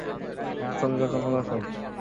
না করলে খবর আছে।